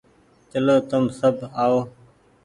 چلو تم سب آئو۔